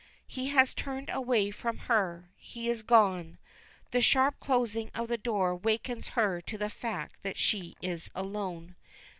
He has turned away from her. He is gone. The sharp closing of the door wakens her to the fact that she is alone.